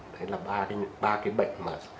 đấy là ba cái bệnh mà